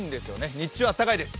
日中は暖かいです。